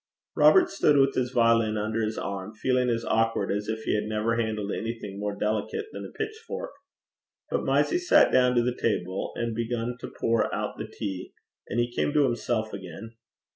Robert stood with his violin under his arm, feeling as awkward as if he had never handled anything more delicate than a pitchfork. But Mysie sat down to the table, and began to pour out the tea, and he came to himself again.